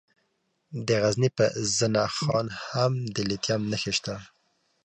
د غزني په زنه خان کې د لیتیم نښې شته.